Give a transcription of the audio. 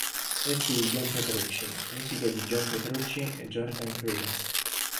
Testi di John Petrucci, musiche di John Petrucci e Jordan Rudess.